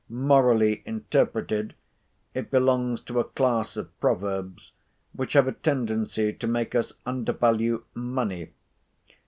Morally interpreted, it belongs to a class of proverbs, which have a tendency to make us undervalue money.